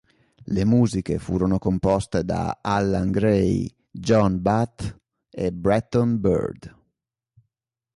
Le musiche furono composte da Allan Gray, John Bath e Bretton Byrd.